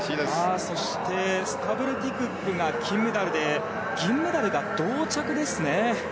スタブルティ・クックが金メダルで銀メダルが同着ですね。